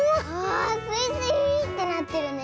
あスイスイーってなってるね。